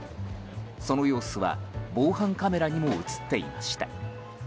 その様子は防犯カメラにも映っていました。